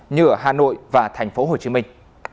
như ở hà nội và thành phố hồ chí minh